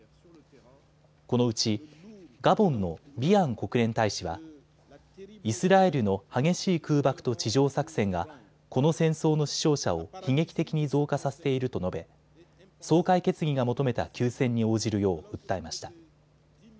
このうちガボンのビアン国連大使はイスラエルの激しい空爆と地上作戦がこの戦争の死傷者を悲劇的に増加させていると述べ、総会決議が求めた休戦に応じるよう訴えました。